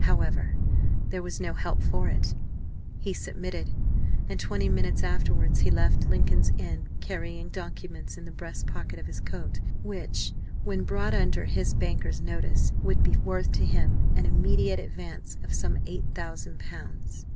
However, there was no help for it; he submitted, and twenty minutes afterwards he left Lincoln's Inn carrying documents in the breast pocket of his coat which, when brought under his bankers' notice, would be worth to him an immediate advance of some eight thousand pounds.